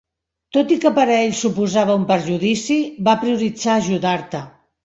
Tot i que per a ell suposava un perjudici, va prioritzar ajudar-te.